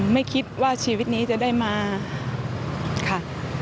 ไม่คิดว่าชีวิตนี้จะได้มาค่ะ